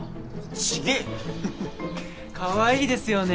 違えよかわいいですよね